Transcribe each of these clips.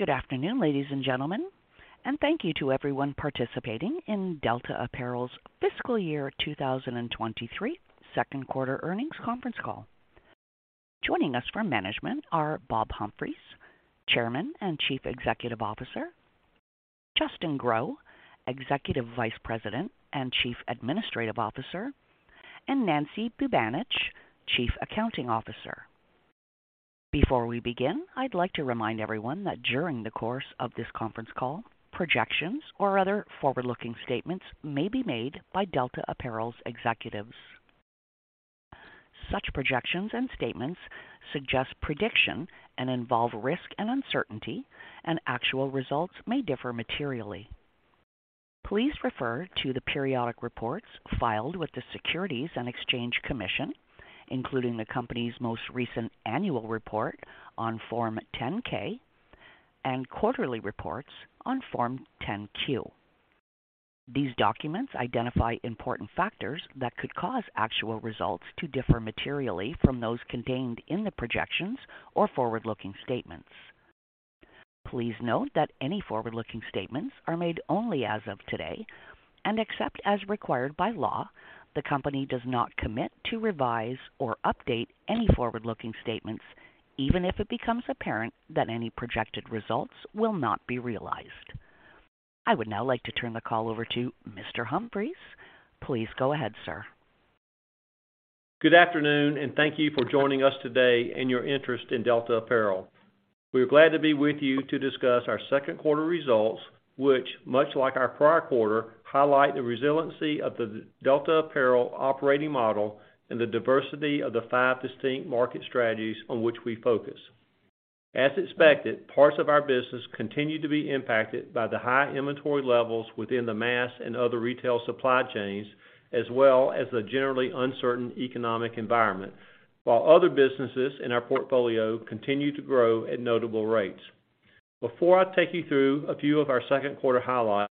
Good afternoon, ladies and gentlemen, and thank you to everyone participating in Delta Apparel's fiscal year 2023 second quarter earnings conference call. Joining us for management are Bob Humphreys, Chairman and Chief Executive Officer, Justin Grow, Executive Vice President and Chief Administrative Officer, and Nancy Bubanich, Chief Accounting Officer. Before we begin, I'd like to remind everyone that during the course of this conference call, projections or other forward-looking statements may be made by Delta Apparel's executives. Such projections and statements suggest prediction and involve risk and uncertainty, and actual results may differ materially. Please refer to the periodic reports filed with the Securities and Exchange Commission, including the company's most recent annual report on Form 10-K and quarterly reports on Form 10-Q. These documents identify important factors that could cause actual results to differ materially from those contained in the projections or forward-looking statements. Please note that any forward-looking statements are made only as of today. Except as required by law, the company does not commit to revise or update any forward-looking statements, even if it becomes apparent that any projected results will not be realized. I would now like to turn the call over to Mr. Humphreys. Please go ahead, sir. Good afternoon, thank you for joining us today and your interest in Delta Apparel. We are glad to be with you to discuss our second quarter results, which much like our prior quarter, highlight the resiliency of the Delta Apparel operating model and the diversity of the five distinct market strategies on which we focus. As expected, parts of our business continue to be impacted by the high inventory levels within the mass and other retail supply chains, as well as the generally uncertain economic environment, while other businesses in our portfolio continue to grow at notable rates. Before I take you through a few of our second quarter highlights,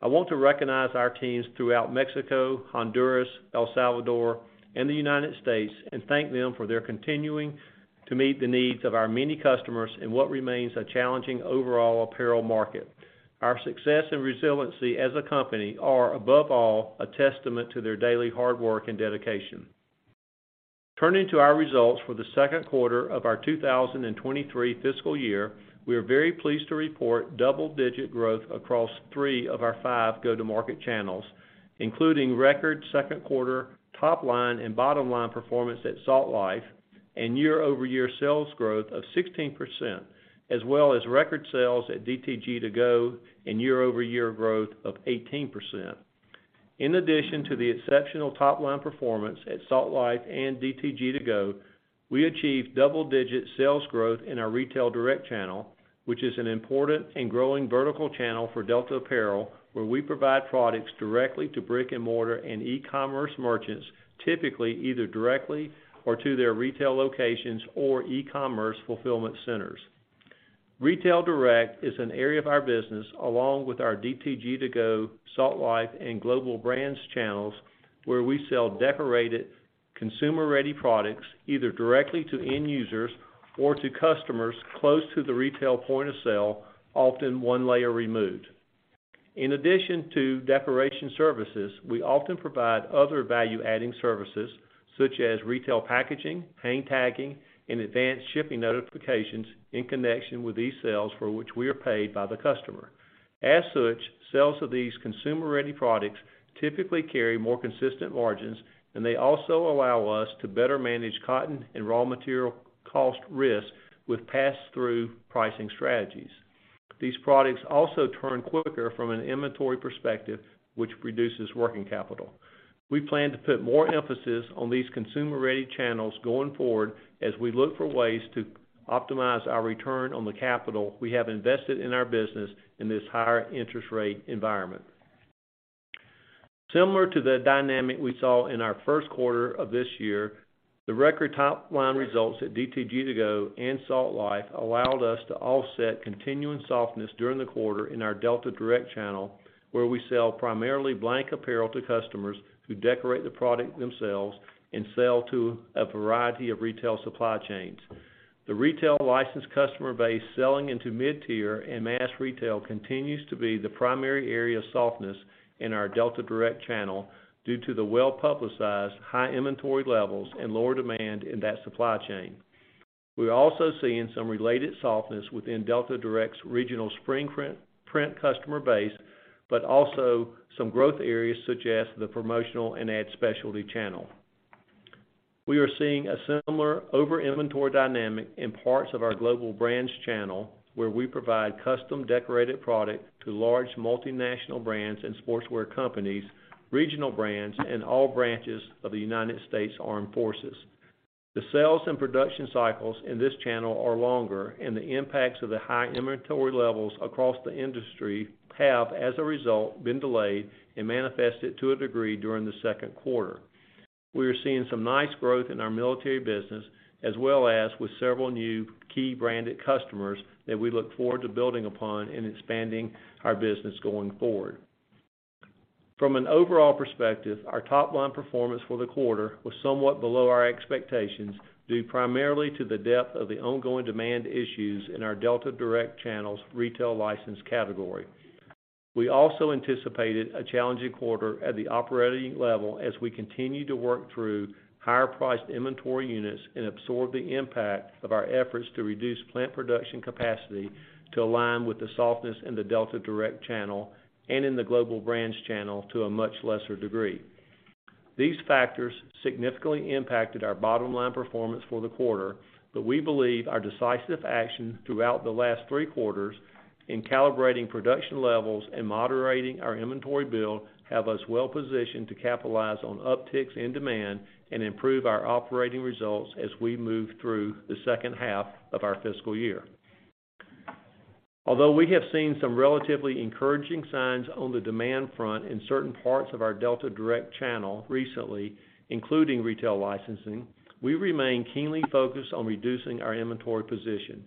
I want to recognize our teams throughout Mexico, Honduras, El Salvador, and the United States, and thank them for their continuing to meet the needs of our many customers in what remains a challenging overall apparel market. Our success and resiliency as a company are, above all, a testament to their daily hard work and dedication. Turning to our results for the second quarter of our 2023 fiscal year, we are very pleased to report double-digit growth across three of our five go-to-market channels, including record second quarter top line and bottom line performance at Salt Life and year-over-year sales growth of 16%, as well as record sales at DTG2Go and year-over-year growth of 18%. In addition to the exceptional top line performance at Salt Life and DTG2Go, we achieved double-digit sales growth in our Retail Direct channel, which is an important and growing vertical channel for Delta Apparel, where we provide products directly to brick-and-mortar and e-commerce merchants, typically either directly or to their retail locations or e-commerce fulfillment centers. Retail Direct is an area of our business, along with our DTG2Go, Salt Life, and Global Brands channels, where we sell decorated consumer-ready products, either directly to end users or to customers close to the retail point of sale, often one layer removed. In addition to decoration services, we often provide other value-adding services, such as retail packaging, hang tagging, and advanced shipping notifications in connection with these sales for which we are paid by the customer. As such, sales of these consumer-ready products typically carry more consistent margins, and they also allow us to better manage cotton and raw material cost risk with pass-through pricing strategies. These products also turn quicker from an inventory perspective, which reduces working capital. We plan to put more emphasis on these consumer-ready channels going forward as we look for ways to optimize our return on the capital we have invested in our business in this higher interest rate environment. Similar to the dynamic we saw in our first quarter of this year, the record top line results at DTG2Go and Salt Life allowed us to offset continuing softness during the quarter in our Delta Direct channel, where we sell primarily blank apparel to customers who decorate the product themselves and sell to a variety of retail supply chains. The retail licensed customer base selling into mid-tier and mass retail continues to be the primary area of softness in our Delta Direct channel due to the well-publicized high inventory levels and lower demand in that supply chain. We're also seeing some related softness within Delta Direct's regional spring print customer base, but also some growth areas such as the promotional and ad specialty channel. We are seeing a similar over-inventory dynamic in parts of our Global Brands channel, where we provide custom decorated product to large multinational brands and sportswear companies, regional brands, and all branches of the United States Armed Forces. The sales and production cycles in this channel are longer, and the impacts of the high inventory levels across the industry have, as a result, been delayed and manifested to a degree during the second quarter. We are seeing some nice growth in our military business as well as with several new key branded customers that we look forward to building upon and expanding our business going forward. From an overall perspective, our top line performance for the quarter was somewhat below our expectations, due primarily to the depth of the ongoing demand issues in our Delta Direct channels retail license category. We also anticipated a challenging quarter at the operating level as we continue to work through higher-priced inventory units and absorb the impact of our efforts to reduce plant production capacity to align with the softness in the Delta Direct channel and in the Global Brands channel to a much lesser degree. These factors significantly impacted our bottom line performance for the quarter. We believe our decisive action throughout the last three quarters in calibrating production levels and moderating our inventory build have us well positioned to capitalize on upticks in demand and improve our operating results as we move through the second half of our fiscal year. Although we have seen some relatively encouraging signs on the demand front in certain parts of our Delta Direct channel recently, including retail licensing, we remain keenly focused on reducing our inventory position.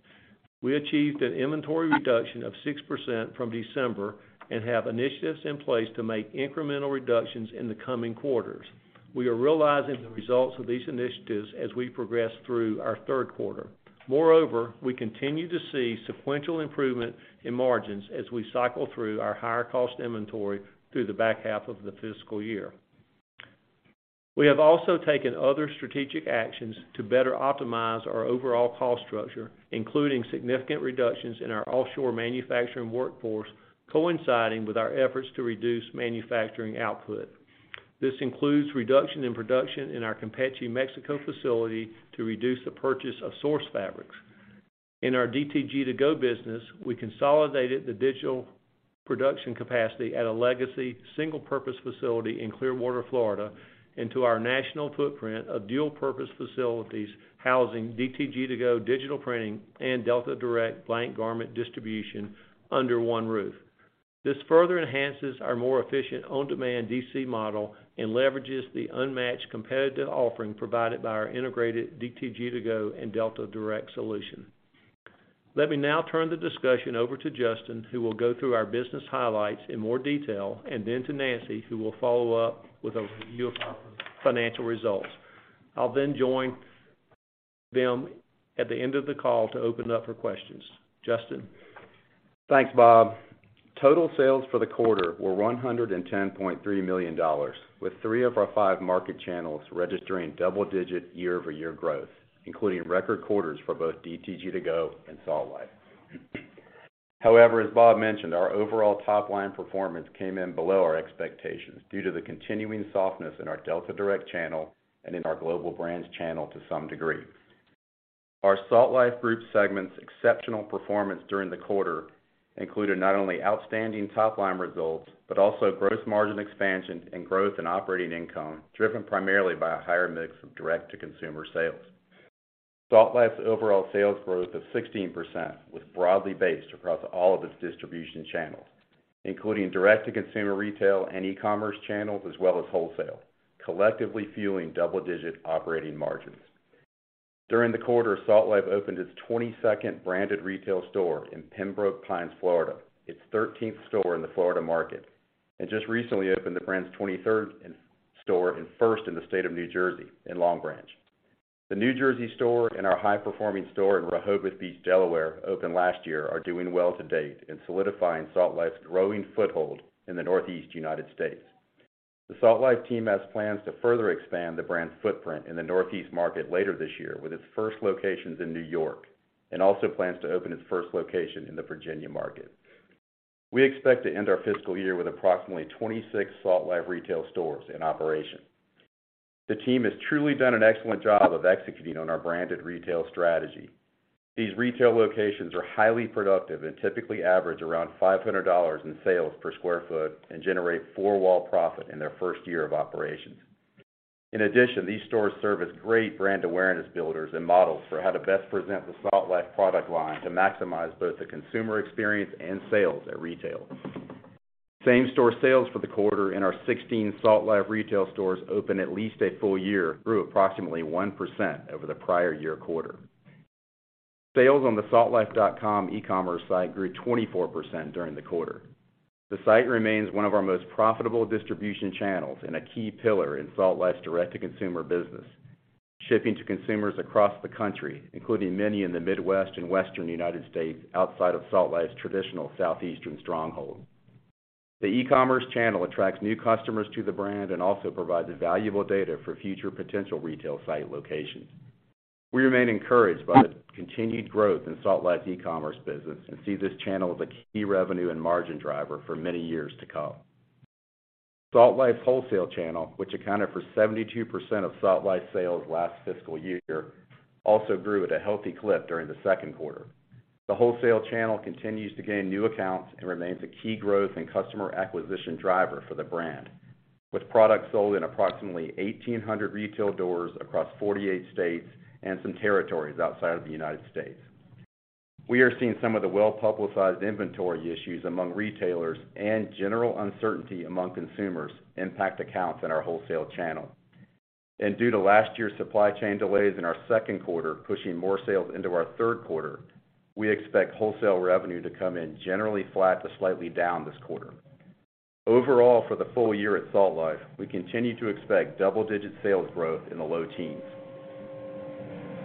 We achieved an inventory reduction of 6% from December and have initiatives in place to make incremental reductions in the coming quarters. We are realizing the results of these initiatives as we progress through our third quarter. Moreover, we continue to see sequential improvement in margins as we cycle through our higher-cost inventory through the back half of the fiscal year. We have also taken other strategic actions to better optimize our overall cost structure, including significant reductions in our offshore manufacturing workforce coinciding with our efforts to reduce manufacturing output. This includes reduction in production in our Campeche, Mexico, facility to reduce the purchase of source fabrics. In our DTG2Go business, we consolidated the digital production capacity at a legacy single-purpose facility in Clearwater, Florida, into our national footprint of dual-purpose facilities housing DTG2Go digital printing and Delta Direct blank garment distribution under one roof. This further enhances our more efficient on-demand DC model and leverages the unmatched competitive offering provided by our integrated DTG2Go and Delta Direct solution. Let me now turn the discussion over to Justin, who will go through our business highlights in more detail, and then to Nancy, who will follow up with a review of our financial results. I'll join them at the end of the call to open up for questions. Justin? Thanks, Bob. Total sales for the quarter were $110.3 million, with three of our five market channels registering double-digit year-over-year growth, including record quarters for both DTG2Go and Salt Life. As Bob mentioned, our overall top-line performance came in below our expectations due to the continuing softness in our Delta Direct channel and in our Global Brands channel to some degree. Our Salt Life Group segment's exceptional performance during the quarter included not only outstanding top-line results but also gross margin expansion and growth in operating income, driven primarily by a higher mix of direct-to-consumer sales. Salt Life's overall sales growth of 16% was broadly based across all of its distribution channels, including direct-to-consumer retail and e-commerce channels, as well as wholesale, collectively fueling double-digit operating margins. During the quarter, Salt Life opened its 22nd branded retail store in Pembroke Pines, Florida, its 13th store in the Florida market, and just recently opened the brand's 23rd in-store and first in the state of New Jersey in Long Branch. The New Jersey store and our high-performing store in Rehoboth Beach, Delaware, opened last year, are doing well to date in solidifying Salt Life's growing foothold in the Northeast United States. The Salt Life team has plans to further expand the brand's footprint in the Northeast market later this year with its first locations in New York, and also plans to open its first location in the Virginia market. We expect to end our fiscal year with approximately 26 Salt Life retail stores in operation. The team has truly done an excellent job of executing on our branded retail strategy. These retail locations are highly productive and typically average around $500 in sales per sq ft and generate four-wall profit in their first year of operations. In addition, these stores serve as great brand awareness builders and models for how to best present the Salt Life product line to maximize both the consumer experience and sales at retail. Same-store sales for the quarter in our 16 Salt Life retail stores open at least a full year grew approximately 1% over the prior year quarter. Sales on the saltlife.com e-commerce site grew 24% during the quarter. The site remains one of our most profitable distribution channels and a key pillar in Salt Life's direct-to-consumer business, shipping to consumers across the country, including many in the Midwest and Western United States outside of Salt Life's traditional Southeastern stronghold. The e-commerce channel attracts new customers to the brand and also provides valuable data for future potential retail site locations. We remain encouraged by the continued growth in Salt Life's e-commerce business and see this channel as a key revenue and margin driver for many years to come. Salt Life's wholesale channel, which accounted for 72% of Salt Life's sales last fiscal year, also grew at a healthy clip during the second quarter. The wholesale channel continues to gain new accounts and remains a key growth and customer acquisition driver for the brand, with products sold in approximately 1,800 retail doors across 48 states and some territories outside of the United States. We are seeing some of the well-publicized inventory issues among retailers and general uncertainty among consumers impact accounts in our wholesale channel. Due to last year's supply chain delays in our second quarter pushing more sales into our third quarter, we expect wholesale revenue to come in generally flat to slightly down this quarter. Overall, for the full year at Salt Life, we continue to expect double-digit sales growth in the low teens.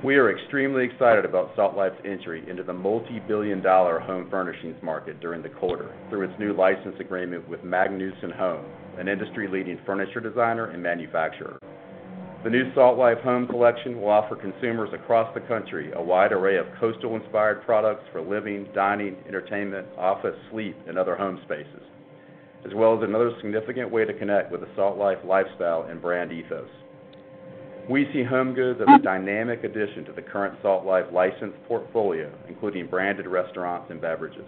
We are extremely excited about Salt Life's entry into the multi-billion dollar home furnishings market during the quarter through its new license agreement with Magnussen Home, an industry-leading furniture designer and manufacturer. The new Salt Life Home collection will offer consumers across the country a wide array of coastal-inspired products for living, dining, entertainment, office, sleep, and other home spaces, as well as another significant way to connect with the Salt Life lifestyle and brand ethos . We see home goods as a dynamic addition to the current Salt Life licensed portfolio, including branded restaurants and beverages.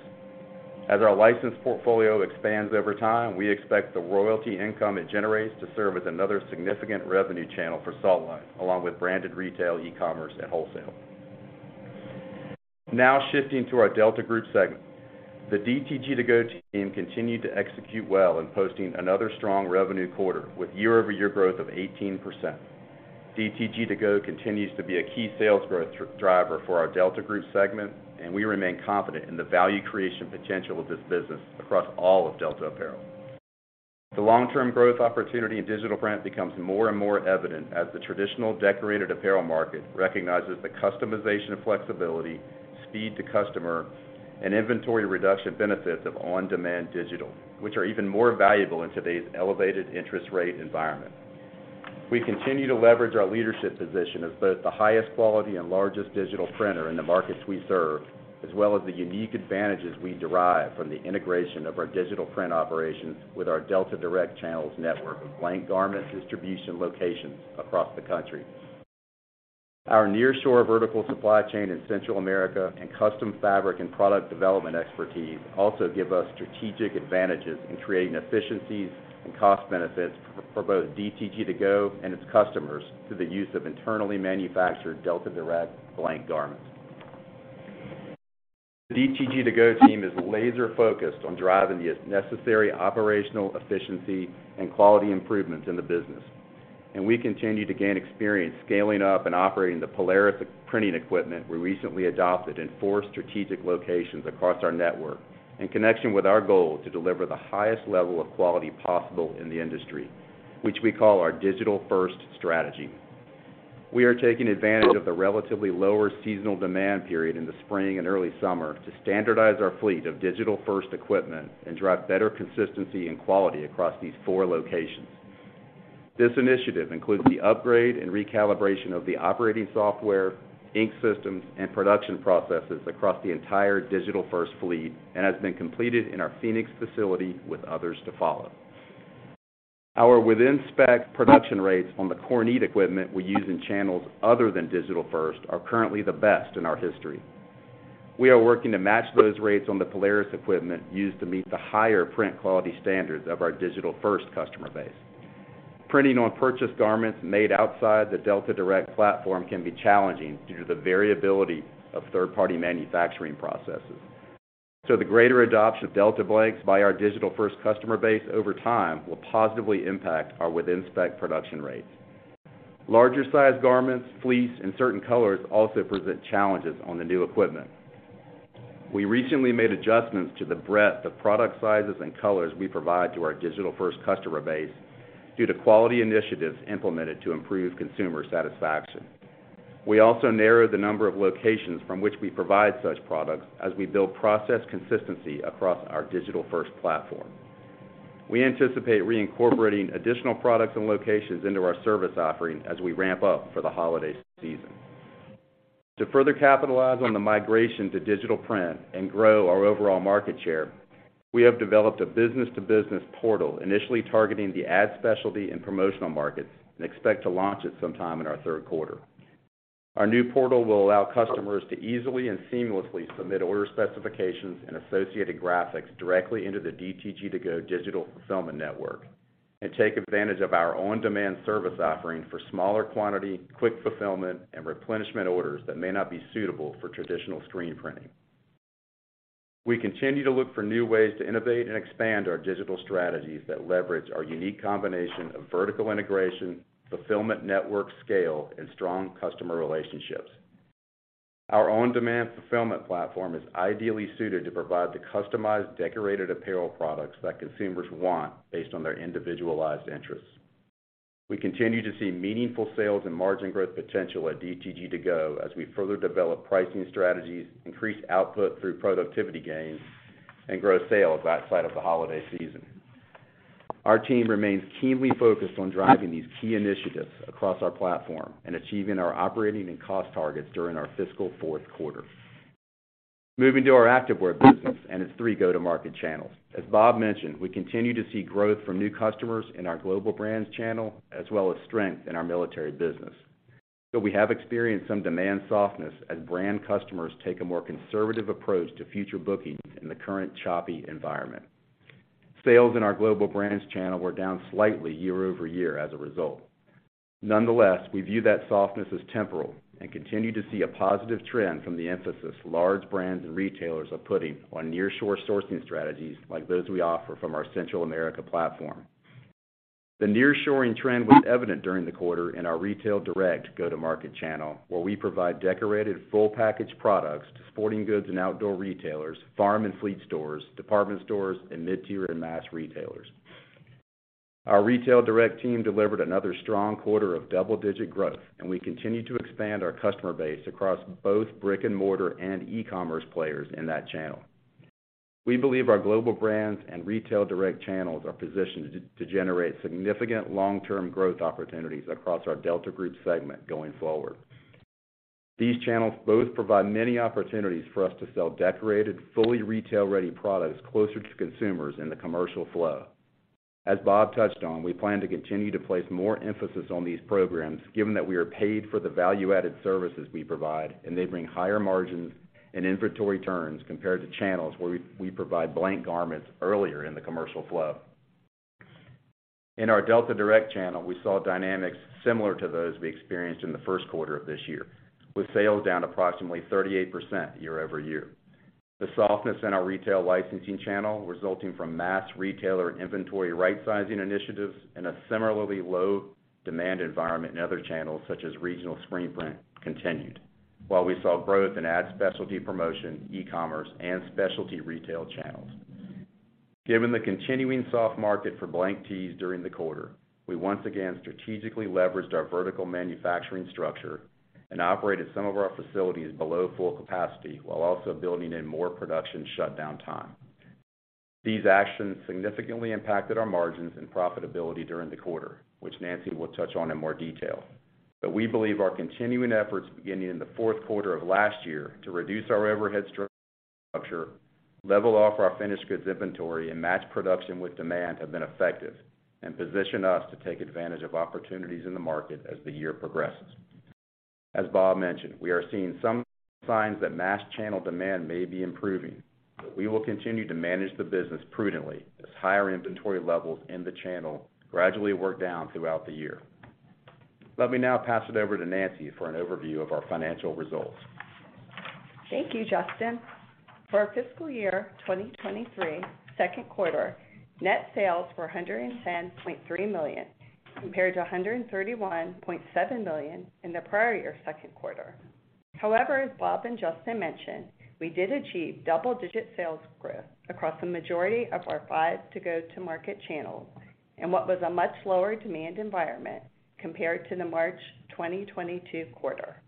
As our licensed portfolio expands over time, we expect the royalty income it generates to serve as another significant revenue channel for Salt Life, along with branded retail, e-commerce, and wholesale. Shifting to our Delta Group segment. The DTG2Go team continued to execute well in posting another strong revenue quarter with year-over-year growth of 18%. DTG2Go continues to be a key sales growth driver for our Delta Group segment, and we remain confident in the value creation potential of this business across all of Delta Apparel. The long-term growth opportunity in digital print becomes more and more evident as the traditional decorated apparel market recognizes the customization and flexibility, speed to customer, and inventory reduction benefits of on-demand digital, which are even more valuable in today's elevated interest rate environment. We continue to leverage our leadership position as both the highest quality and largest digital printer in the markets we serve, as well as the unique advantages we derive from the integration of our digital print operations with our Delta Direct Channels network of blank garment distribution locations across the country. Our nearshore vertical supply chain in Central America and custom fabric and product development expertise also give us strategic advantages in creating efficiencies and cost benefits for both DTG2Go and its customers through the use of internally manufactured Delta Direct blank garments. The DTG2Go team is laser-focused on driving the necessary operational efficiency and quality improvements in the business, and we continue to gain experience scaling up and operating the Polaris printing equipment we recently adopted in four strategic locations across our network in connection with our goal to deliver the highest level of quality possible in the industry, which we call our Digital First strategy. We are taking advantage of the relatively lower seasonal demand period in the spring and early summer to standardize our fleet of Digital First equipment and drive better consistency and quality across these four locations. This initiative includes the upgrade and recalibration of the operating software, ink systems, and production processes across the entire Digital First fleet and has been completed in our Phoenix facility, with others to follow. Our within-spec production rates on the Kornit equipment we use in channels other than Digital First are currently the best in our history. We are working to match those rates on the Polaris equipment used to meet the higher print quality standards of our Digital First customer base. Printing on purchased garments made outside the Delta Direct platform can be challenging due to the variability of third-party manufacturing processes. The greater adoption of Delta Blanks by our Digital First customer base over time will positively impact our within-spec production rates. Larger-sized garments, fleece, and certain colors also present challenges on the new equipment. We recently made adjustments to the breadth of product sizes and colors we provide to our Digital First customer base due to quality initiatives implemented to improve consumer satisfaction. We also narrowed the number of locations from which we provide such products as we build process consistency across our Digital First platform. We anticipate reincorporating additional products and locations into our service offering as we ramp up for the holiday season. To further capitalize on the migration to digital print and grow our overall market share, we have developed a business-to-business portal initially targeting the ad specialty and promotional markets and expect to launch it sometime in our third quarter. Our new portal will allow customers to easily and seamlessly submit order specifications and associated graphics directly into the DTG2Go digital fulfillment network and take advantage of our on-demand service offering for smaller quantity, quick fulfillment, and replenishment orders that may not be suitable for traditional screen printing. We continue to look for new ways to innovate and expand our digital strategies that leverage our unique combination of vertical integration, fulfillment network scale, and strong customer relationships. Our on-demand fulfillment platform is ideally suited to provide the customized, decorated apparel products that consumers want based on their individualized interests. We continue to see meaningful sales and margin growth potential at DTG2Go as we further develop pricing strategies, increase output through productivity gains, and grow sales outside of the holiday season. Our team remains keenly focused on driving these key initiatives across our platform and achieving our operating and cost targets during our fiscal fourth quarter. Moving to our activewear business and its three go-to-market channels. As Bob mentioned, we continue to see growth from new customers in our Global Brands channel, as well as strength in our military business. We have experienced some demand softness as brand customers take a more conservative approach to future bookings in the current choppy environment. Sales in our Global Brands channel were down slightly year-over-year as a result. Nonetheless, we view that softness as temporal and continue to see a positive trend from the emphasis large brands and retailers are putting on nearshore sourcing strategies like those we offer from our Central America platform. The nearshoring trend was evident during the quarter in our Retail Direct go-to-market channel, where we provide decorated full packaged products to sporting goods and outdoor retailers, farm and fleet stores, department stores, and mid-tier and mass retailers. Our Retail Direct team delivered another strong quarter of double-digit growth, and we continue to expand our customer base across both brick-and-mortar and e-commerce players in that channel. We believe our Global Brands and Retail Direct channels are positioned to generate significant long-term growth opportunities across our Delta Group segment going forward. These channels both provide many opportunities for us to sell decorated, fully retail-ready products closer to consumers in the commercial flow. As Bob touched on, we plan to continue to place more emphasis on these programs, given that we are paid for the value-added services we provide, and they bring higher margins and inventory turns compared to channels where we provide blank garments earlier in the commercial flow. In our Delta Direct channel, we saw dynamics similar to those we experienced in the first quarter of this year, with sales down approximately 38% year-over-year. The softness in our retail licensing channel resulting from mass retailer inventory rightsizing initiatives and a similarly low demand environment in other channels such as regional screen print continued, while we saw growth in ad specialty promotion, e-commerce, and specialty retail channels. Given the continuing soft market for blank tees during the quarter, we once again strategically leveraged our vertical manufacturing structure and operated some of our facilities below full capacity while also building in more production shutdown time. These actions significantly impacted our margins and profitability during the quarter, which Nancy will touch on in more detail. We believe our continuing efforts beginning in the fourth quarter of last year to reduce our overhead structure, level off our finished goods inventory, and match production with demand have been effective and position us to take advantage of opportunities in the market as the year progresses. As Bob mentioned, we are seeing some signs that mass channel demand may be improving, but we will continue to manage the business prudently as higher inventory levels in the channel gradually work down throughout the year. Let me now pass it over to Nancy for an overview of our financial results. Thank you, Justin. For our fiscal year 2023 second quarter, net sales were $110.3 million, compared to $131.7 million in the prior year second quarter. As Bob and Justin mentioned, we did achieve double-digit sales growth across the majority of our five to go-to-market channels in what was a much lower demand environment compared to the March 2022 quarter.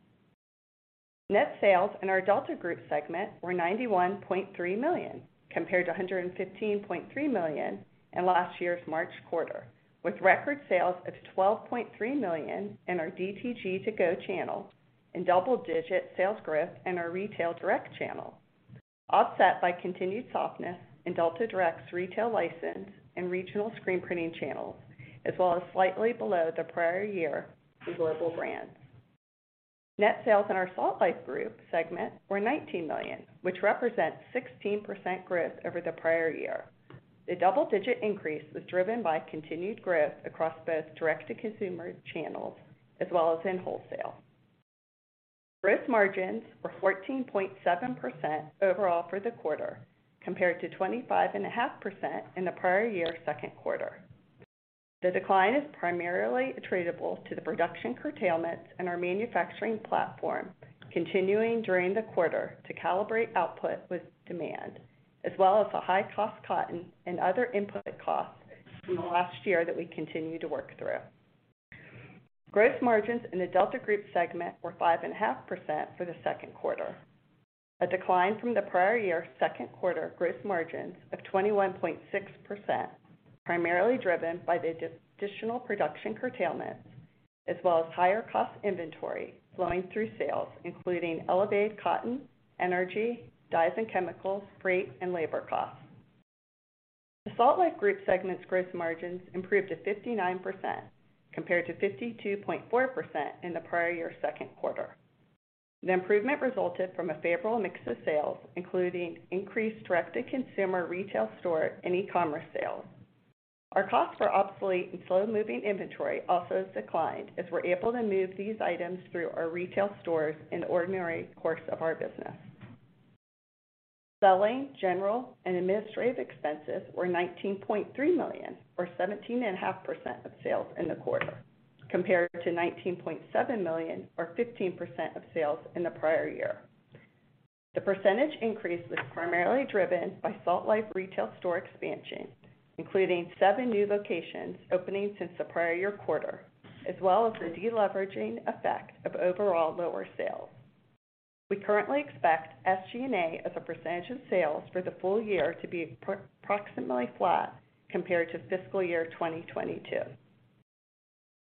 Net sales in our Delta Group segment were $91.3 million, compared to $115.3 million in last year's March quarter, with record sales of $12.3 million in our DTG2Go channel and double-digit sales growth in our Retail Direct channel, offset by continued softness in Delta Direct's retail license and regional screen printing channels, as well as slightly below the prior year for Global Brands. Net sales in our Salt Life Group segment were $19 million, which represents 16% growth over the prior year. The double-digit increase was driven by continued growth across both direct-to-consumer channels as well as in wholesale. Gross margins were 14.7% overall for the quarter, compared to 25.5% in the prior year second quarter. The decline is primarily attributable to the production curtailments in our manufacturing platform continuing during the quarter to calibrate output with demand, as well as the high-cost cotton and other input costs from last year that we continue to work through. Gross margins in the Delta Group segment were 5.5% for the second quarter, a decline from the prior year second quarter gross margins of 21.6%, primarily driven by the additional production curtailments as well as higher cost inventory flowing through sales, including elevated cotton, energy, dyes and chemicals, freight, and labor costs. The Salt Life Group segment's gross margins improved to 59% compared to 52.4% in the prior year second quarter. The improvement resulted from a favorable mix of sales, including increased direct-to-consumer retail store and e-commerce sales. Our costs for obsolete and slow-moving inventory also declined as we're able to move these items through our retail stores in the ordinary course of our business. Selling, general, and administrative expenses were $19.3 million, or 17.5% of sales in the quarter, compared to $19.7 million or 15% of sales in the prior year. The percentage increase was primarily driven by Salt Life retail store expansion, including seven new locations opening since the prior year quarter, as well as the deleveraging effect of overall lower sales. We currently expect SG&A as a percentage of sales for the full year to be approximately flat compared to fiscal year 2022.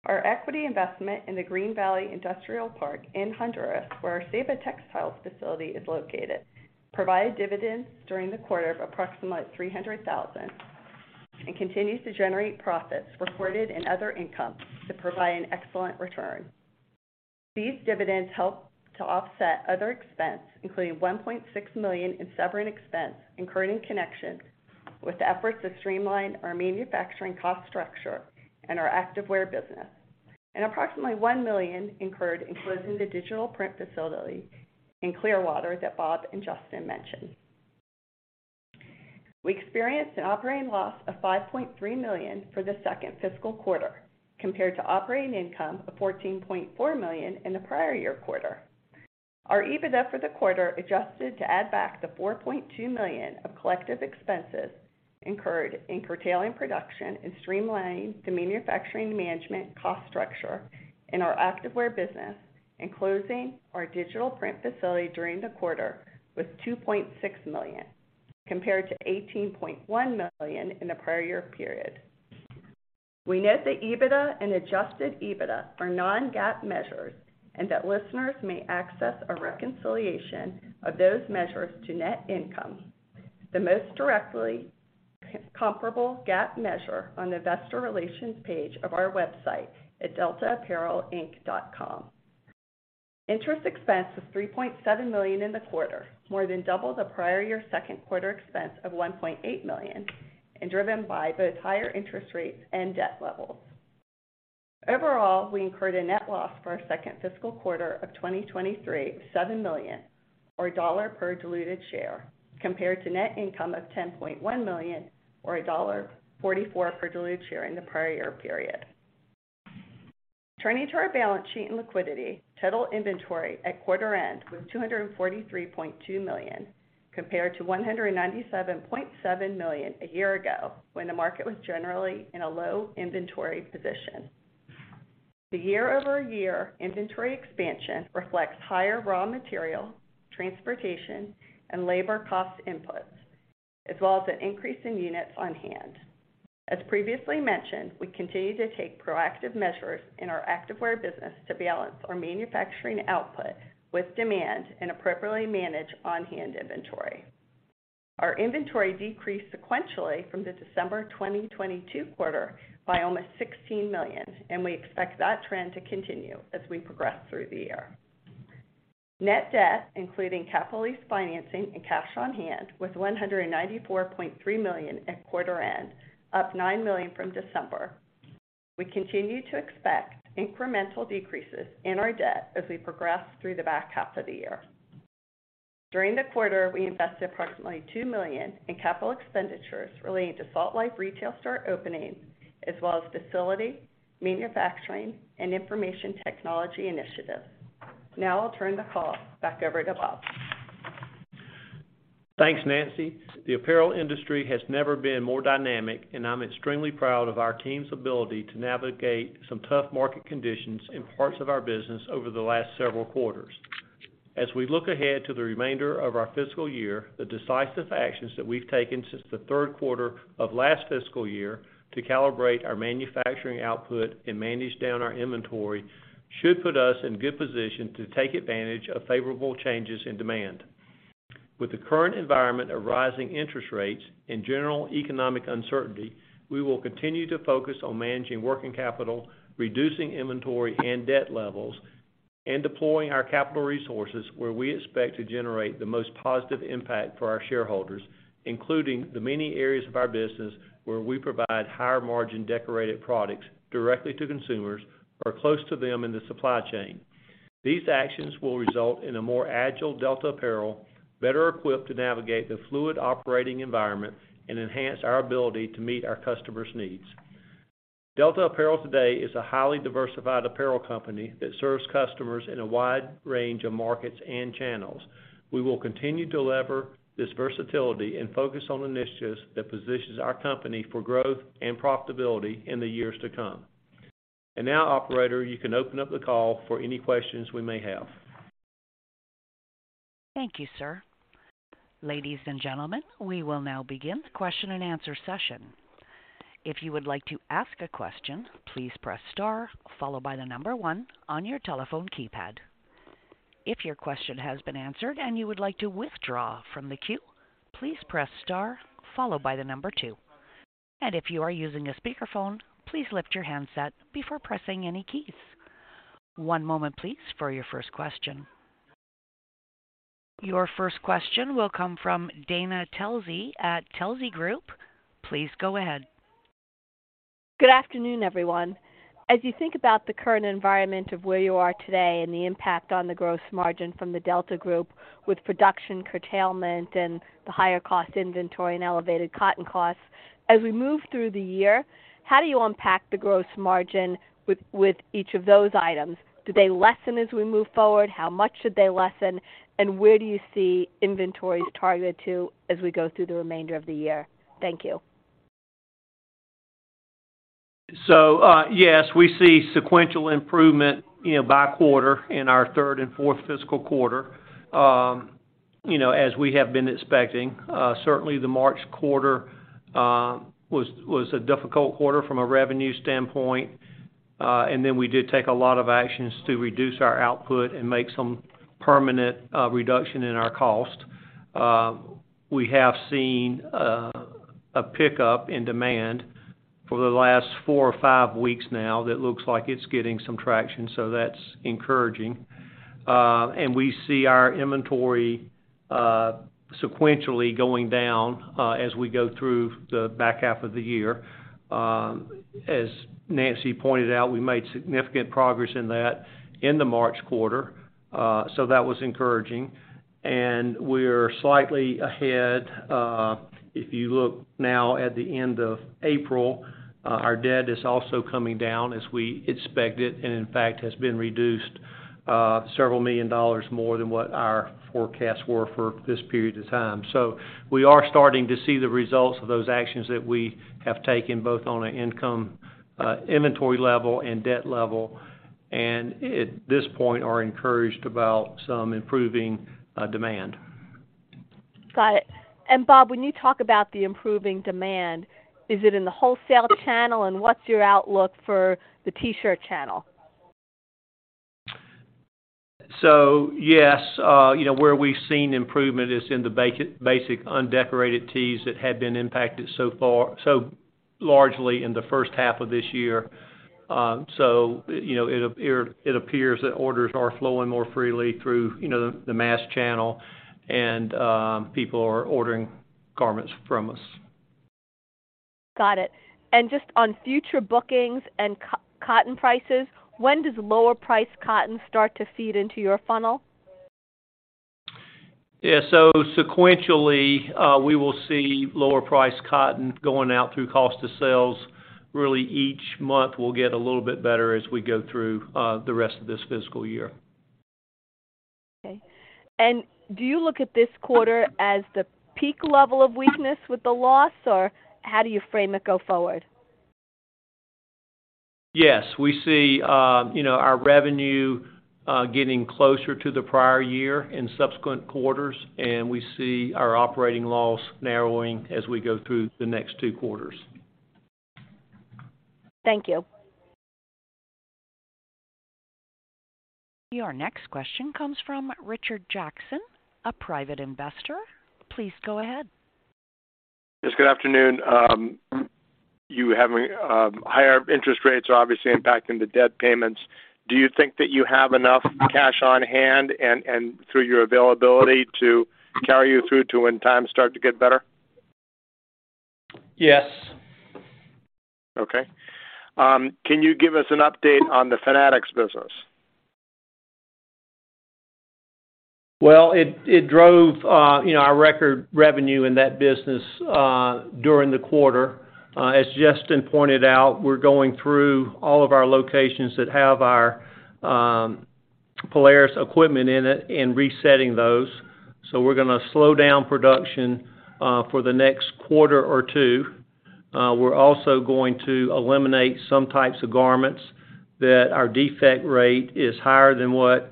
Our equity investment in the Green Valley Industrial Park in Honduras, where our Ceiba Textiles facility is located, provided dividends during the quarter of approximately $300,000 and continues to generate profits reported in other income to provide an excellent return. These dividends help to offset other expense, including $1.6 million in severance expense incurred in connection with the efforts to streamline our manufacturing cost structure in our Activewear business and approximately $1 million incurred in closing the digital print facility in Clearwater that Bob and Justin mentioned. We experienced an operating loss of $5.3 million for the second fiscal quarter compared to operating income of $14.4 million in the prior year quarter. Our EBITDA for the quarter adjusted to add back the $4.2 million of collective expenses incurred in curtailing production and streamlining the manufacturing management cost structure in our Activewear business and closing our digital print facility during the quarter was $2.6 million, compared to $18.1 million in the prior year period. We note that EBITDA and adjusted EBITDA are non-GAAP measures and that listeners may access a reconciliation of those measures to net income, the most directly comparable GAAP measure on the investor relations page of our website at deltaapparelinc.com. Interest expense was $3.7 million in the quarter, more than double the prior year second quarter expense of $1.8 million, and driven by both higher interest rates and debt levels. Overall, we incurred a net loss for our second fiscal quarter of 2023 of $7 million or $1 per diluted share, compared to net income of $10.1 million or $1.44 per diluted share in the prior year period. Turning to our balance sheet and liquidity, total inventory at quarter end was $243.2 million, compared to $197.7 million a year ago when the market was generally in a low inventory position. The year-over-year inventory expansion reflects higher raw material, transportation, and labor cost inputs, as well as an increase in units on hand. As previously mentioned, we continue to take proactive measures in our activewear business to balance our manufacturing output with demand and appropriately manage on-hand inventory. Our inventory decreased sequentially from the December 2022 quarter by almost $16 million. We expect that trend to continue as we progress through the year. Net debt, including capital lease financing and cash on hand, was $194.3 million at quarter end, up $9 million from December. We continue to expect incremental decreases in our debt as we progress through the back half of the year. During the quarter, we invested approximately $2 million in capital expenditures relating to Salt Life retail store openings, as well as facility, manufacturing, and information technology initiatives. I'll turn the call back over to Bob. Thanks, Nancy. The apparel industry has never been more dynamic, and I'm extremely proud of our team's ability to navigate some tough market conditions in parts of our business over the last several quarters. As we look ahead to the remainder of our fiscal year, the decisive actions that we've taken since the third quarter of last fiscal year to calibrate our manufacturing output and manage down our inventory should put us in good position to take advantage of favorable changes in demand. With the current environment of rising interest rates and general economic uncertainty, we will continue to focus on managing working capital, reducing inventory and debt levels, and deploying our capital resources where we expect to generate the most positive impact for our shareholders, including the many areas of our business where we provide higher-margin decorated products directly to consumers or close to them in the supply chain. These actions will result in a more agile Delta Apparel, better equipped to navigate the fluid operating environment and enhance our ability to meet our customers' needs. Delta Apparel today is a highly diversified apparel company that serves customers in a wide range of markets and channels. We will continue to lever this versatility and focus on initiatives that positions our company for growth and profitability in the years to come. Now, operator, you can open up the call for any questions we may have. Thank you, sir. Ladies and gentlemen, we will now begin the question-and-answer session. If you would like to ask a question, please press star followed by one on your telephone keypad. If your question has been answered and you would like to withdraw from the queue, please press star followed by two. If you are using a speakerphone, please lift your handset before pressing any keys. One moment please for your first question. Your first question will come from Dana Telsey at Telsey Group. Please go ahead. Good afternoon, everyone. As you think about the current environment of where you are today and the impact on the gross margin from the Delta Group with production curtailment and the higher cost inventory and elevated cotton costs, as we move through the year, how do you unpack the gross margin with each of those items? Do they lessen as we move forward? How much should they lessen? Where do you see inventory targeted to as we go through the remainder of the year? Thank you. Yes, we see sequential improvement, you know, by quarter in our third and fourth fiscal quarter, you know, as we have been expecting. Certainly the March quarter was a difficult quarter from a revenue standpoint. Then we did take a lot of actions to reduce our output and make some permanent reduction in our cost. We have seen a pickup in demand for the last four or five weeks now that looks like it's getting some traction. That's encouraging. We see our inventory sequentially going down as we go through the back half of the year. As Nancy pointed out, we made significant progress in that in the March quarter. That was encouraging. And we're slightly ahead. If you look now at the end of April, our debt is also coming down as we expected, and in fact has been reduced several million dollars more than what our forecasts were for this period of time. We are starting to see the results of those actions that we have taken both on an income, inventory level and debt level, and at this point are encouraged about some improving demand. Got it. Bob, when you talk about the improving demand, is it in the wholesale channel, and what's your outlook for the T-shirt channel? Yes, you know, where we've seen improvement is in the basic undecorated tees that had been impacted so largely in the first half of this year. You know, it appears that orders are flowing more freely through, you know, the mass channel and people are ordering garments from us. Got it. Just on future bookings and cotton prices, when does lower priced cotton start to feed into your funnel? Yeah. Sequentially, we will see lower priced cotton going out through cost of sales. Each month will get a little bit better as we go through, the rest of this fiscal year. Okay. Do you look at this quarter as the peak level of weakness with the loss, or how do you frame it go forward? Yes. We see, you know, our revenue, getting closer to the prior year in subsequent quarters, and we see our operating loss narrowing as we go through the next two quarters. Thank you. Our next question comes from Richard Jackson, a private investor. Please go ahead. Yes, good afternoon. you having higher interest rates are obviously impacting the debt payments. Do you think that you have enough cash on hand and through your availability to carry you through to when times start to get better? Yes. Okay. Can you give us an update on the Fanatics business? It drove, you know, our record revenue in that business during the quarter. As Justin pointed out, we're going through all of our locations that have our Polaris equipment in it and resetting those. We're gonna slow down production for the next quarter or two. We're also going to eliminate some types of garments that our defect rate is higher than what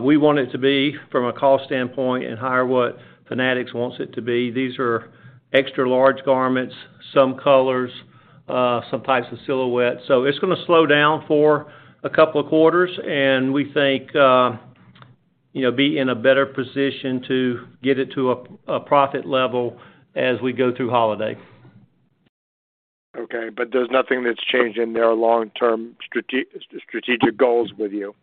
we want it to be from a cost standpoint and higher what Fanatics wants it to be. These are extra large garments, some colors, some types of silhouettes. It's gonna slow down for a couple of quarters and we think, you know, be in a better position to get it to a profit level as we go through holiday. Okay, there's nothing that's changed in their long-term strategic goals with you?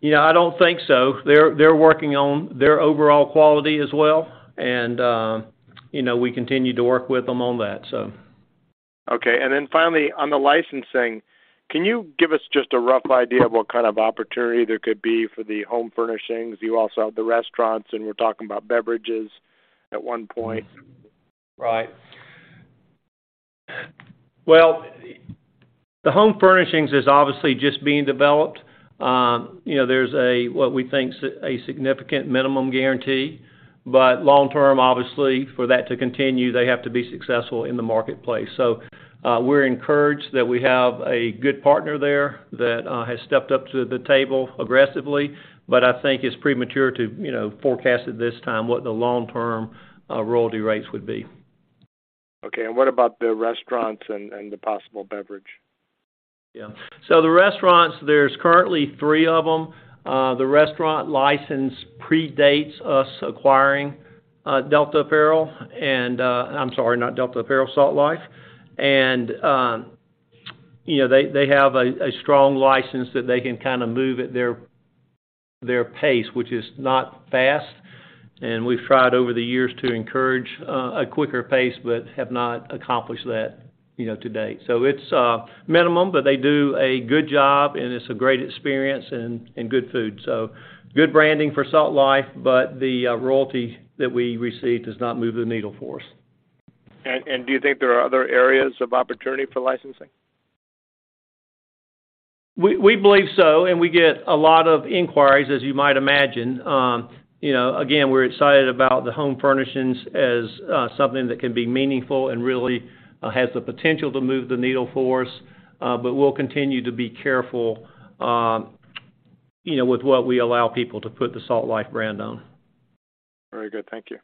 Yeah, I don't think so. They're working on their overall quality as well. you know, we continue to work with them on that. Okay. finally, on the licensing, can you give us just a rough idea of what kind of opportunity there could be for the home furnishings? You also have the restaurants, and you were talking about beverages at one point. Well, the home furnishings is obviously just being developed. You know, there's a what we think is a significant minimum guarantee, but long term, obviously, for that to continue, they have to be successful in the marketplace. We're encouraged that we have a good partner there that has stepped up to the table aggressively. I think it's premature to, you know, forecast at this time what the long-term royalty rates would be. Okay. What about the restaurants and the possible beverage? Yeah. The restaurants, there's currently three of them. The restaurant license predates us acquiring Delta Apparel. I'm sorry, not Delta Apparel, Salt Life. You know, they have a strong license that they can kinda move at their pace, which is not fast. We've tried over the years to encourage a quicker pace, but have not accomplished that, you know, to date. It's minimum, but they do a good job and it's a great experience and good food. Good branding for Salt Life, but the royalty that we receive does not move the needle for us. Do you think there are other areas of opportunity for licensing? We believe so, and we get a lot of inquiries, as you might imagine. You know, again, we're excited about the home furnishings as something that can be meaningful and really has the potential to move the needle for us. We'll continue to be careful, you know, with what we allow people to put the Salt Life brand on. Very good. Thank you.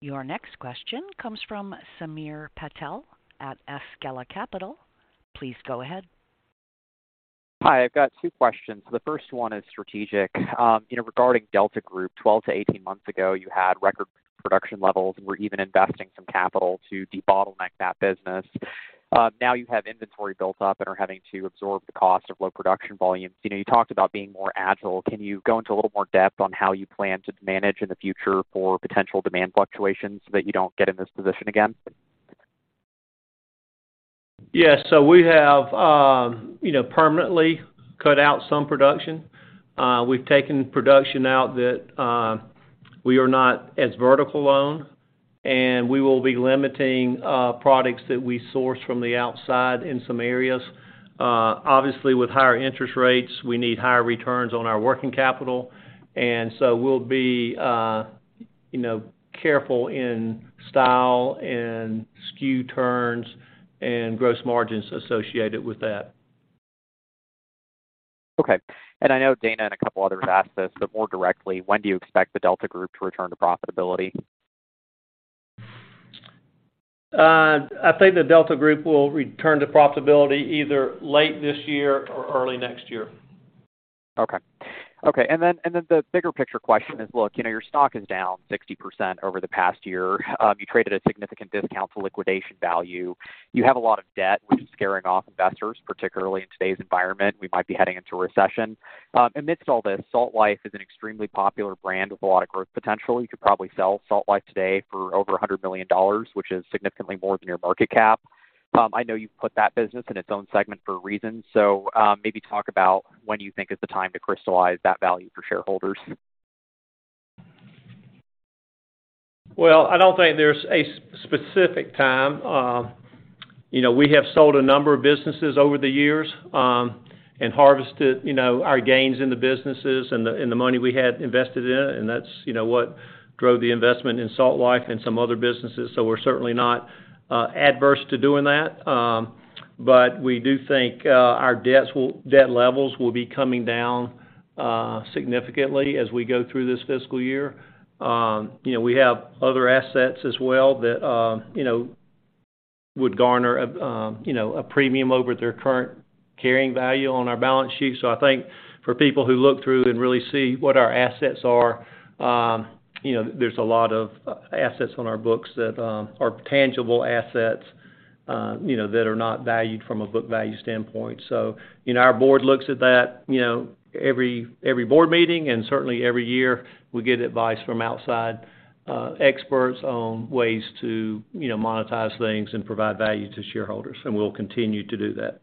Your next question comes from Samir Patel at Askela Capital. Please go ahead. Hi. I've got two questions. The first one is strategic. You know, regarding Delta Group, 12 to 18 months ago, you had record production levels and were even investing some capital to debottleneck that business. Now you have inventory built up and are having to absorb the cost of low production volumes. You know, you talked about being more agile. Can you go into a little more depth on how you plan to manage in the future for potential demand fluctuations so that you don't get in this position again? Yes. We have, you know, permanently cut out some production. We've taken production out that we are not as vertical on, and we will be limiting products that we source from the outside in some areas. Obviously, with higher interest rates, we need higher returns on our working capital. We'll be, you know, careful in style and SKU turns and gross margins associated with that. Okay. I know Dana and a couple others have asked this, but more directly, when do you expect the Delta Group to return to profitability? I think the Delta Group will return to profitability either late this year or early next year. Okay. Okay. Then the bigger picture question is, look, you know, your stock is down 60% over the past year. You traded a significant discount to liquidation value. You have a lot of debt, which is scaring off investors, particularly in today's environment. We might be heading into a recession. Amidst all this, Salt Life is an extremely popular brand with a lot of growth potential. You could probably sell Salt Life today for over $100 million, which is significantly more than your market cap. I know you've put that business in its own segment for a reason. Maybe talk about when you think is the time to crystallize that value for shareholders? Well, I don't think there's a specific time. You know, we have sold a number of businesses over the years and harvested, you know, our gains in the businesses and the money we had invested in. That's, you know, what drove the investment in Salt Life and some other businesses. We're certainly not adverse to doing that. We do think our debt levels will be coming down significantly as we go through this fiscal year. You know, we have other assets as well that, you know, would garner, you know, a premium over their current carrying value on our balance sheet. I think for people who look through and really see what our assets are, you know, there's a lot of assets on our books that are tangible assets, you know, that are not valued from a book value standpoint. You know, our board looks at that, you know, every board meeting, and certainly every year we get advice from outside experts on ways to, you know, monetize things and provide value to shareholders, and we'll continue to do that.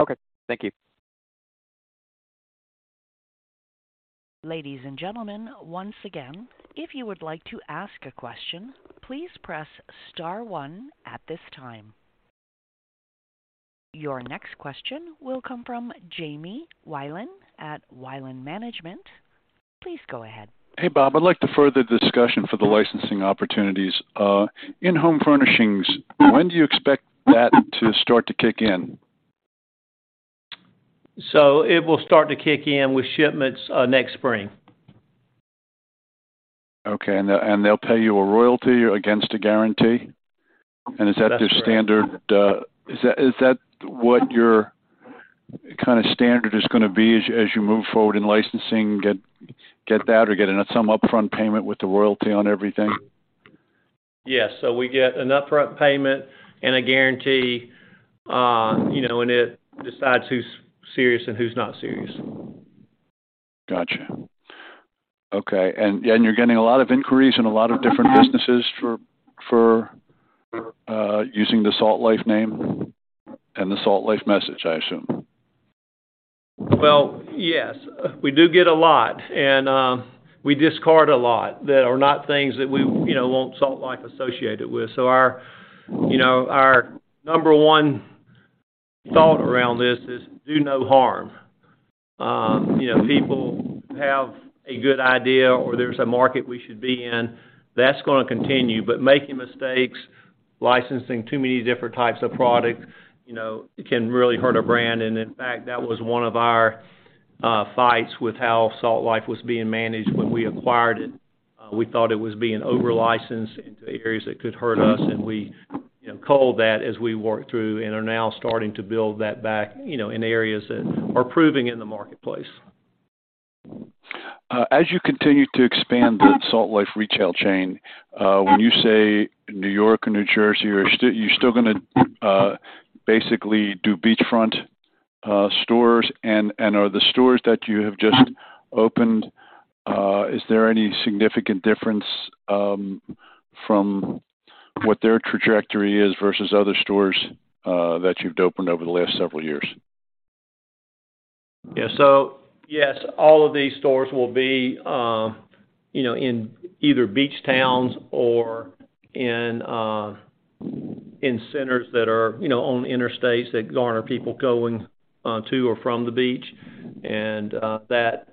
Okay, thank you. Ladies and gentlemen, once again, if you would like to ask a question, please press star one at this time. Your next question will come from James Wilen at Wilen Management. Please go ahead. Hey, Bob. I'd like to further the discussion for the licensing opportunities. In home furnishings, when do you expect that to start to kick in? It will start to kick in with shipments, next spring. Okay. They'll pay you a royalty against a guarantee? That's correct. Is that the standard? Is that what your kind of standard is going to be as you, as you move forward in licensing, get that or get some upfront payment with the royalty on everything? Yes. We get an upfront payment and a guarantee, you know, it decides who's serious and who's not serious. Gotcha. Okay. You're getting a lot of inquiries in a lot of different businesses for using the Salt Life name and the Salt Life message, I assume. Well, yes, we do get a lot, and we discard a lot that are not things that we, you know, want Salt Life associated with. Our, you know, our number one thought around this is do no harm. You know, people have a good idea or there's a market we should be in, that's gonna continue. Making mistakes, licensing too many different types of products, you know, can really hurt a brand. In fact, that was one of our fights with how Salt Life was being managed when we acquired it. We thought it was being over-licensed into areas that could hurt us, and we, you know, culled that as we worked through and are now starting to build that back, you know, in areas that are proving in the marketplace. As you continue to expand the Salt Life retail chain, when you say New York or New Jersey, are you still gonna basically do beachfront stores? Are the stores that you have just opened, is there any significant difference from what their trajectory is versus other stores that you've opened over the last several years? Yes, all of these stores will be, you know, in either beach towns or in centers that are, you know, on interstates that garner people going to or from the beach. That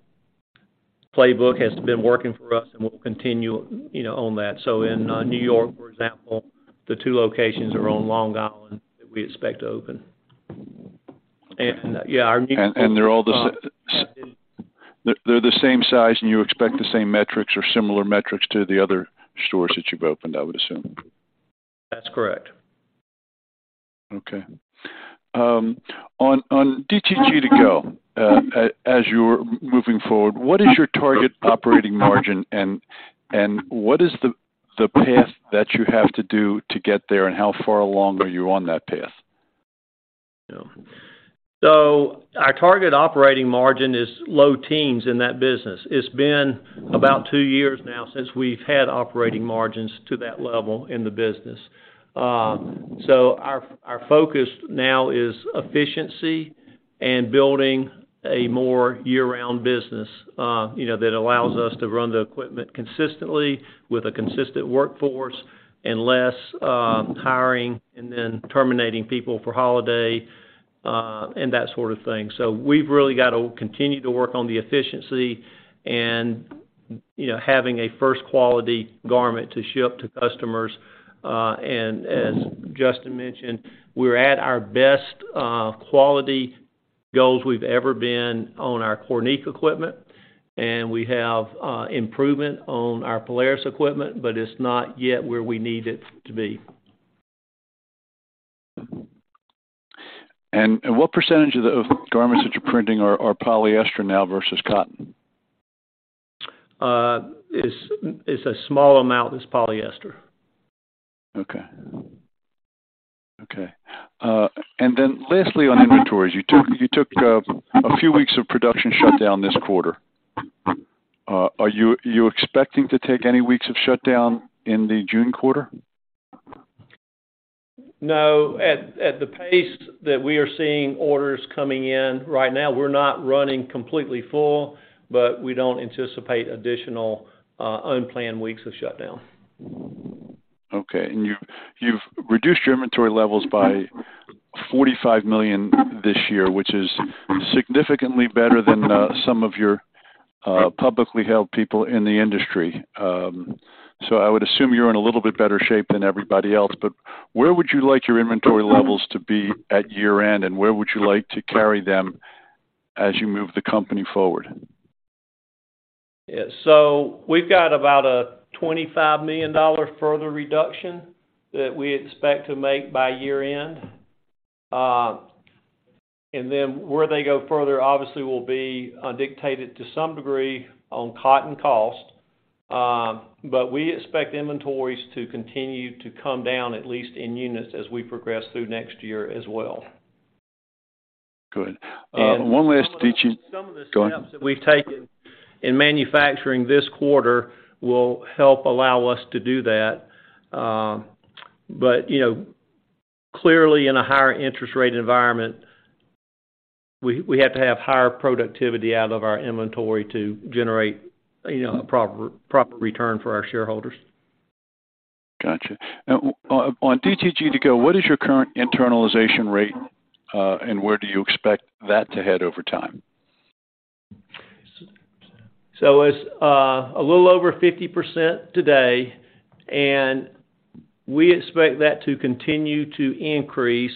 playbook has been working for us, and we'll continue, you know, on that. In New York, for example, the two locations are on Long Island that we expect to open. Yeah. They're all the. Yeah. They're the same size, and you expect the same metrics or similar metrics to the other stores that you've opened, I would assume. That's correct. Okay. on DTG2Go, as you're moving forward, what is your target operating margin and what is the path that you have to do to get there, and how far along are you on that path? Our target operating margin is low teens in that business. It's been about two years now since we've had operating margins to that level in the business. Our focus now is efficiency and building a more year-round business, you know, that allows us to run the equipment consistently with a consistent workforce and less hiring and then terminating people for holiday and that sort of thing. We've really got to continue to work on the efficiency and, you know, having a first-quality garment to ship to customers. And as Justin mentioned, we're at our best quality goals we've ever been on our Kornit equipment, and we have improvement on our Polaris equipment, but it's not yet where we need it to be. What percentage of the garments that you're printing are polyester now versus cotton? It's a small amount is polyester. Okay. Okay. Lastly, on inventories, you took a few weeks of production shutdown this quarter. Are you expecting to take any weeks of shutdown in the June quarter? No. At the pace that we are seeing orders coming in right now, we're not running completely full, but we don't anticipate additional unplanned weeks of shutdown. Okay. You've reduced your inventory levels by $45 million this year, which is significantly better than some of your publicly held people in the industry. I would assume you're in a little bit better shape than everybody else, but where would you like your inventory levels to be at year-end, and where would you like to carry them as you move the company forward? Yeah. We've got about a $25 million further reduction that we expect to make by year-end. Where they go further, obviously, will be dictated to some degree on cotton cost. We expect inventories to continue to come down, at least in units, as we progress through next year as well. Good. And some of the- One last teaching... Go on. Some of the steps that we've taken in manufacturing this quarter will help allow us to do that. You know, clearly in a higher interest rate environment, we have to have higher productivity out of our inventory to generate, you know, a proper return for our shareholders. Gotcha. Now on DTG2Go, what is your current internalization rate, and where do you expect that to head over time? It's a little over 50% today, and we expect that to continue to increase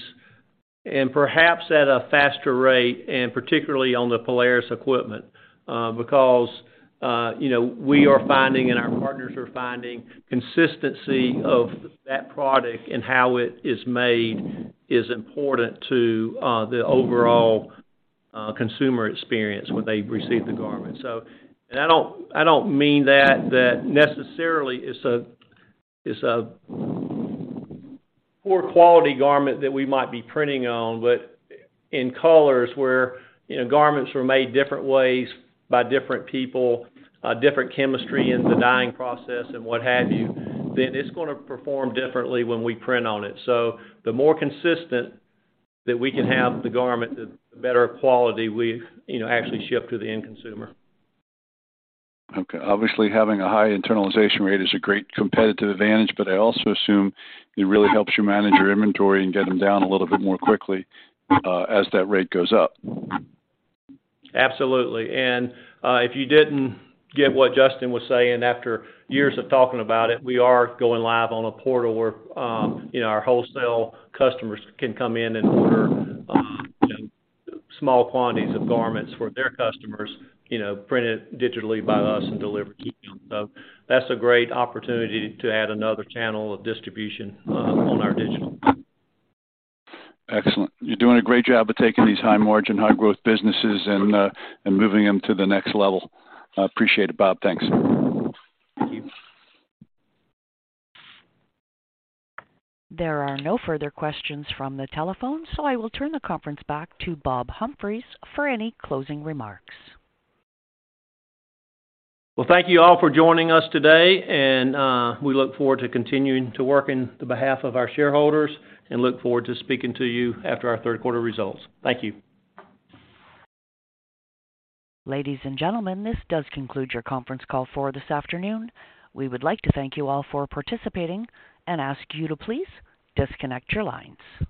and perhaps at a faster rate, and particularly on the Polaris equipment, because, you know, we are finding and our partners are finding consistency of that product and how it is made is important to the overall consumer experience when they receive the garment. I don't mean that necessarily it's a, it's a poor quality garment that we might be printing on, but in colors where, you know, garments were made different ways by different people, different chemistry in the dyeing process and what have you, then it's gonna perform differently when we print on it. The more consistent that we can have the garment, the better quality we, you know, actually ship to the end consumer. Obviously, having a high internalization rate is a great competitive advantage, but I also assume it really helps you manage your inventory and get them down a little bit more quickly, as that rate goes up. Absolutely. If you didn't get what Justin was saying after years of talking about it, we are going live on a portal where, you know, our wholesale customers can come in and order, you know, small quantities of garments for their customers, you know, printed digitally by us and delivered to them. That's a great opportunity to add another channel of distribution on our digital. Excellent. You're doing a great job of taking these high margin, high growth businesses and moving them to the next level. I appreciate it, Bob. Thanks. Thank you. There are no further questions from the telephone, so I will turn the conference back to Robert Humphreys for any closing remarks. Thank you all for joining us today, and we look forward to continuing to work in the behalf of our shareholders and look forward to speaking to you after our third quarter results. Thank you. Ladies and gentlemen, this does conclude your conference call for this afternoon. We would like to thank you all for participating and ask you to please disconnect your lines.